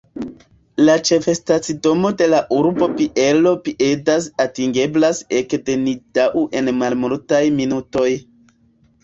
La ĉefstacidomo de la urbo Bielo piede atingeblas ek de Nidau en malmultaj minutoj.